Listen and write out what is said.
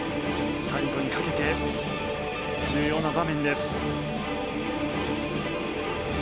最後にかけて重要な場面です。